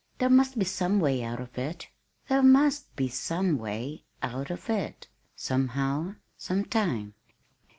There must be some way out of it. There must be some way out of it somehow some time."